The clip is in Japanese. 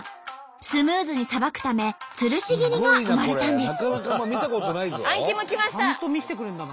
スムーズにさばくためつるし切りが生まれたんです。